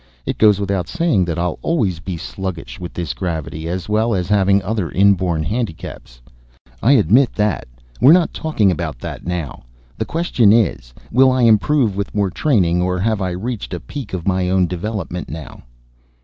It goes without saying that I'll always be sluggish with this gravity, as well as having other inborn handicaps. I admit that. We're not talking about that now. The question is will I improve with more training, or have I reached a peak of my own development now?"